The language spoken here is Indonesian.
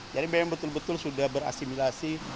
memang betul betul sudah berasimilasi